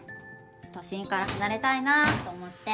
都心から離れたいなぁと思って。